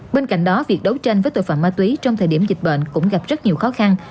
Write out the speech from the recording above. bên cạnh đó việc đấu tranh với tội phạm ma túy trong thời điểm dịch bệnh cũng gặp rất nhiều khó khăn